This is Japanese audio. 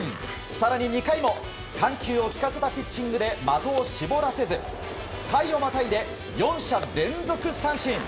更に２回も緩急をきかせたピッチングで的を絞らせず回をまたいで４者連続三振。